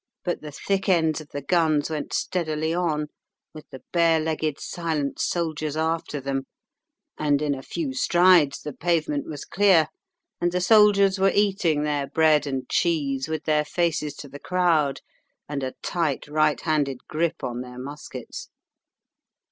But the thick ends of the guns went steadily on with the bare legged silent soldiers after them, and in a few strides the pavement was clear, and the soldiers were eating their bread and cheese with their faces to the crowd, and a tight right handed grip on their muskets.